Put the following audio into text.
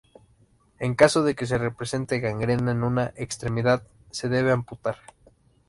En caso de que se presente gangrena de una extremidad, se debe amputar.